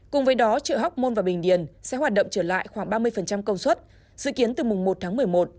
cùng với đó chợ hóc môn và bình điền sẽ hoạt động trở lại khoảng ba mươi công suất dự kiến từ mùng một tháng một mươi một